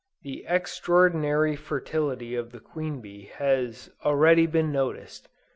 The extraordinary fertility of the queen bee has already been noticed.